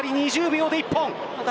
２０秒で一本。